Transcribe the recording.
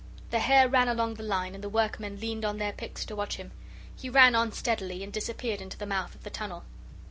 The hare ran along the line, and the workmen leaned on their picks to watch him. He ran on steadily and disappeared into the mouth of the tunnel.